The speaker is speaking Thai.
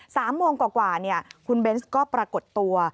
สามโมงกว่าคุณเบนเวสซิ่งก็ปรากฏตัว